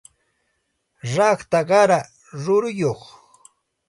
rakta qara ruruyuq